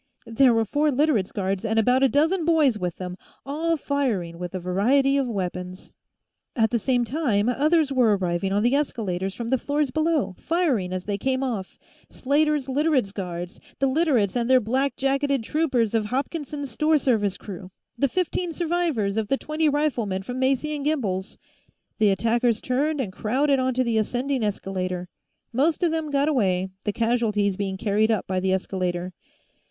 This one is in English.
There were four Literates' guards and about a dozen boys with them, all firing with a variety of weapons. At the same time, others were arriving on the escalators from the floors below, firing as they came off Slater's Literates' guards, the Literates and their black jacketed troopers of Hopkinson's store service crew, the fifteen survivors of the twenty riflemen from Macy & Gimbel's. The attackers turned and crowded onto the ascending escalator. Most of them got away, the casualties being carried up by the escalator.